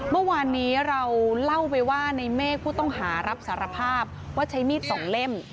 เมื่อวานนี้เราเล่าไปว่าในเมฆผู้ต้องหารับสารภาพว่าใช้มีดสองเล่ม